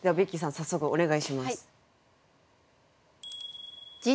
早速お願いします。